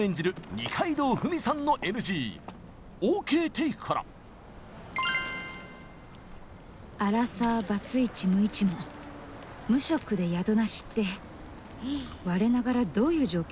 二階堂ふみさんのＮＧＯＫテイクからアラサーバツイチ無一文無職で宿無しってわれながらどういう状況？